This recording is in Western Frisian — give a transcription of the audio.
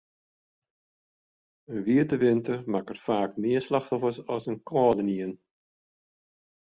In wiete winter makket faak mear slachtoffers as in kâldenien.